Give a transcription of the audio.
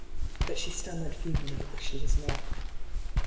But she stammered feebly that she was not.